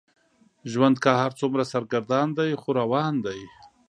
ژوند که هر څومره سرګردان دی خو روان دی.